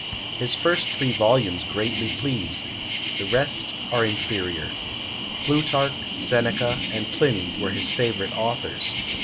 His first three volumes greatly pleased: the rest are inferior. Plutarch, Seneca, and Pliny, were his favourite authors.